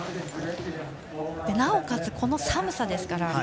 なおかつ、この寒さですから。